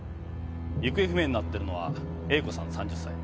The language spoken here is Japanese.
行方不明になってるのはＡ子さん３０歳。